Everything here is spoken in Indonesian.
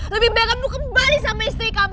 lebih baik kamu kembali sama istri kamu